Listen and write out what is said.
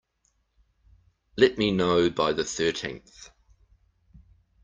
Let me know by the thirteenth.